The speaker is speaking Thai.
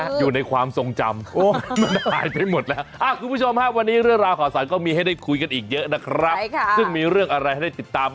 เจอกันแบบนี้บ่าย๓โมงครึ่งถึง๔โมง๑๕นาทีครับ